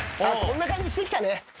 こんな感じしてきたね。